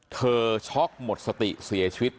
ช็อกหมดสติเสียชีวิต